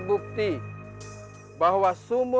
jangan pak jarko